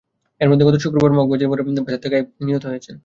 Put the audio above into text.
এর মধ্যেই গত শুক্রবার মগবাজার মোড়ে বাসের ধাক্কায় এক ব্যক্তি নিহত হয়েছেন।